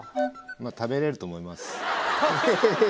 「食べれると思います」。